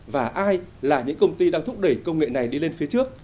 và ai là những công ty đang thúc đẩy công nghệ này đi lên phía trước